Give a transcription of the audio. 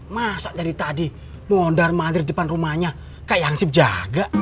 masa dari tadi mondar mandir depan rumahnya kayak yang sip jaga